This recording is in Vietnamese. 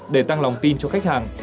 để tăng nồng tin cho khách hàng